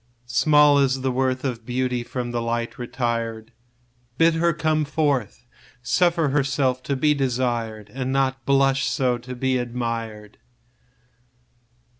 10 Small is the worth Of beauty from the light retired: Bid her come forth, Suffer herself to be desired, And not blush so to be admired.